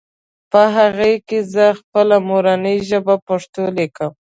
په هغې کې زهٔ خپله مورنۍ ژبه پښتو ليکم